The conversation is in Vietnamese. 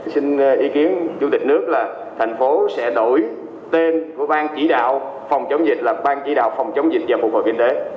xin ý kiến chủ tịch nước là tp hcm sẽ đổi tên của bang chỉ đạo phòng chống dịch là bang chỉ đạo phòng chống dịch và phục vụ kinh tế